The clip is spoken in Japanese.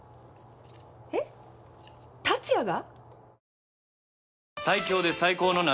えっ達也が？